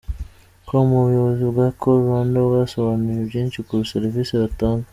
com, ubuyobozi bwa Call Rwanda bwasobanuye byinshi kuri serivisi batanga.